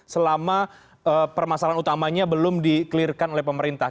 selama permasalahan utamanya belum dikelirkan oleh pemerintah